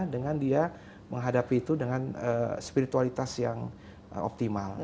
dengan dia menghadapi itu dengan spiritualitas yang optimal